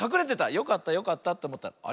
よかったよかったっておもったらあれ？